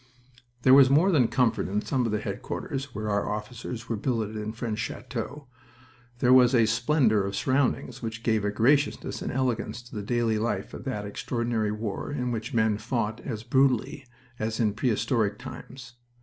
There was more than comfort in some of the headquarters where our officers were billeted in French chateaux. There was a splendor of surroundings which gave a graciousness and elegance to the daily life of that extraordinary war in which men fought as brutally as in prehistoric times.